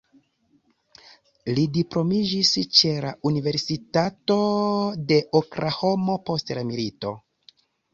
Li diplomiĝis ĉe la Universitato de Oklahomo post la milito.